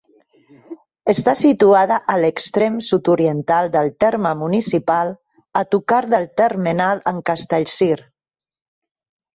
Està situada a l'extrem sud-oriental del terme municipal, a tocar del termenal amb Castellcir.